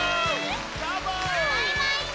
バイバイち！